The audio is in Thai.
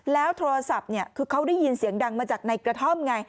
แล้วโทรศัพท์คือเขาได้ยินเสียงดังมาจากในกระท่อมไง